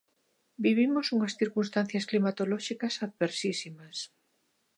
Vivimos unhas circunstancias climatolóxicas adversísimas.